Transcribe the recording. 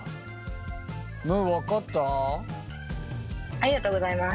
ありがとうございます。